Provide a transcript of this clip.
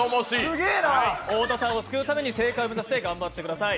太田さんを救うために正解を目指して頑張ってください。